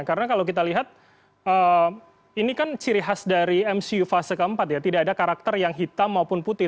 karena kalau kita lihat ini kan ciri khas dari mcu fase ke empat ya tidak ada karakter yang hitam maupun putih